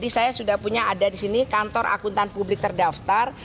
saya sudah punya ada disini kantor akuntan publik terdaftar